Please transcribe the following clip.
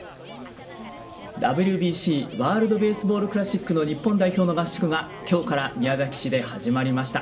ＷＢＣ、ワールド・ベースボール・クラシックの日本代表の合宿がきょうから宮崎市で始まりました。